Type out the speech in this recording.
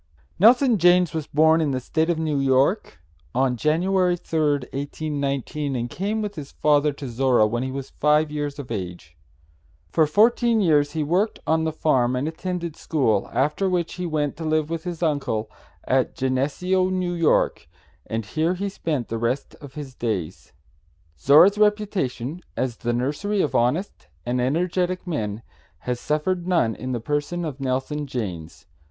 Nelson Janes was born in the State of New York on January 3rd, 1819, and came with his father to Zorra when he was five years of age. For fourteen years he worked on the farm and attended school, after which he went to live with his uncle at Geneseo, N.Y., and here he spent the rest of his days. Zorra's reputation as the nursery of honest and energetic men has suffered none in the person of Nelson Janes.